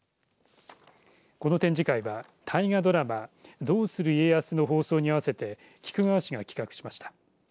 この展示会は大河ドラマどうする家康の放送に合わせて菊川市が企画しました。